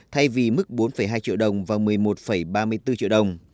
thay vì mức bốn hai triệu đồng và một mươi một ba mươi bốn triệu đồng